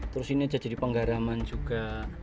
terus ini aja jadi penggaraman juga